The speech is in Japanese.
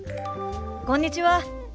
こんにちは。